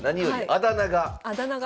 あだ名が？